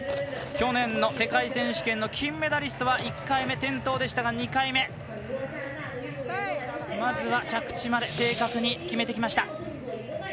去年の世界選手権の金メダリストは１回目、転倒でしたが２回目、まずは着地まで正確に決めてきました。